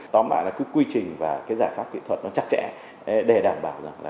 tóm lại là cái quy trình và cái giải pháp kỹ thuật nó chặt chẽ để đảm bảo rằng là